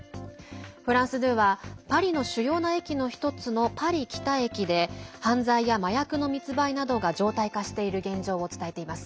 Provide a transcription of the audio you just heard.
フランス２はパリの主要な駅の１つのパリ北駅で犯罪や麻薬の密売などが常態化している現状を伝えています。